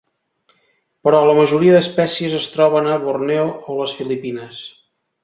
Però la majoria d'espècies es troben a Borneo o les Filipines.